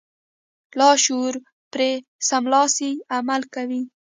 لاشعور پرې سملاسي عمل کوي.